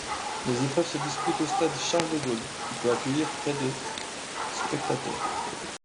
Les épreuves se disputent au Stade Charles-de-Gaulle qui peut accueillir près de spectateurs.